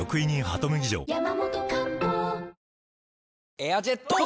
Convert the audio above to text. エアジェットォ！